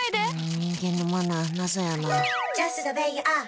人間のマナー、謎やな。